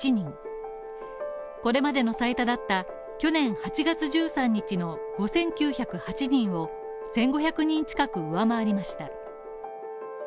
これまでの最多だった去年８月１３日の５９０８人を１５００人近く上回りました。